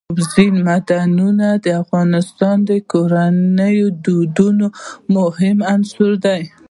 اوبزین معدنونه د افغان کورنیو د دودونو مهم عنصر دی.